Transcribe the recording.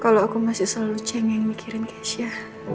kalau aku masih selalu cengeng mikirin keisha